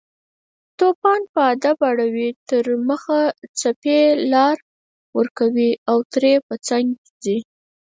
توپان په ادب اړوي تر مخه، څپې لار ورکوي او ترې په څنګ ځي